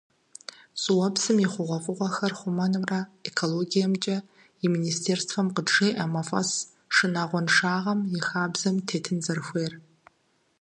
ЩӀыуэпсым и хъугъуэфӀыгъуэхэр хъумэнымрэ экологиемкӀэ и министерствэм къыджеӏэ мафӀэс шынагъуэншагъэм и хабзэм тетын зэрыхуейр.